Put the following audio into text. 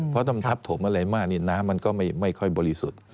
เพราะต้องทับถมอะไรมากนี่น้ำมันก็ไม่ค่อยบริสุทธิ์